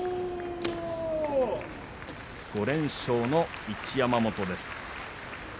５連勝の一山本です。